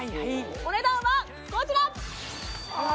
お値段はこちら！